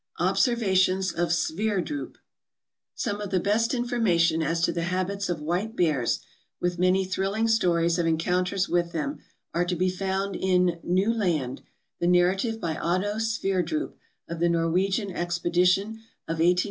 Observations of Sverdrtjp Some of the best information as to the habits of white bears, with many thrilling stories of encounters with them, are to be found in "New Land," the narrative by Otto Sverdrup of the Norwegian Expedition of 1898 1902.